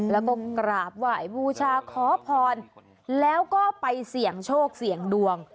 แล้วก็กราบไหว้บูชาขอพรแล้วก็ไปเสี่ยงโชคเสี่ยงดวง